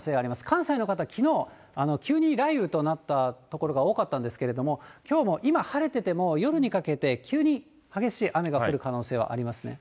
関西の方、きのう、急に雷雨となった所が多かったんですけれども、きょうも今、晴れてても、夜にかけて急に激しい雨が降る可能性はありますね。